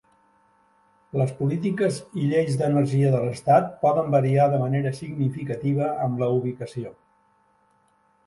Les polítiques i lleis d'energia de l'estat poden variar de manera significativa amb la ubicació.